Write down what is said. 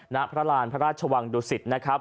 ณพระราณพระราชวังดุสิตนะครับ